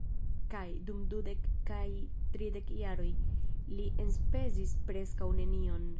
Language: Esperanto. Kaj, dum dudek kaj tridek jaroj, li enspezis preskaŭ nenion.